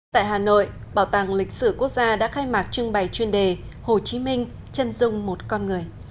tại hà nội bảo tàng lịch sử quốc gia đã khai mạc trưng bày chuyên đề hồ chí minh chân dung một con người